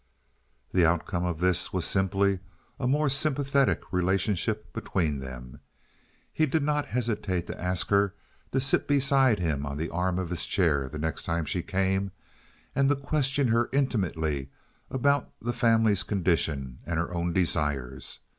The outcome of this was simply a more sympathetic relationship between them. He did not hesitate to ask her to sit beside him on the arm of his chair the next time she came, and to question her intimately about the family's condition and her own desires.